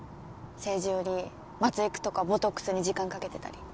政治よりマツエクとかボトックスに時間かけてたり。